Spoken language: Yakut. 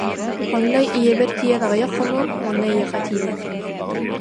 Маҥнай ийэбэр тиийэн аҕыйах хонуом уонна эйиэхэ тиийиэм